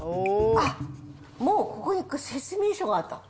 あっ、もうここに説明書があった。